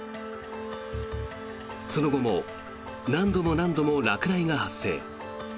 その後も何度も何度も落雷が発生。